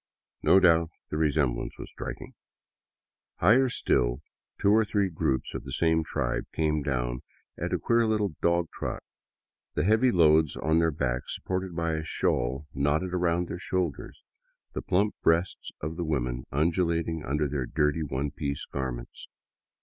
No doubt the resemblance was striking. Higher still, two or three groups of the same tribe came down at a queer little dog trot, the heavy loads on their backs supported by a shawl knotted across their shoulders, the plump breasts of the women undulating under their dirty, one piece garments.